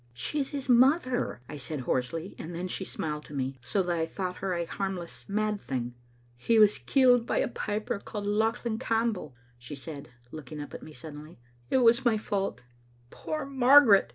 "She is his mother," I said hoarsely, and then she smiled to me, so that I thought her a harmless mad thing. "He was killed by a piper called Lauchlan Campbell," she said, looking up at me suddenly. "It was my fault." "Poor Margaret!"